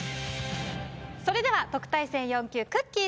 それでは特待生４級くっきー！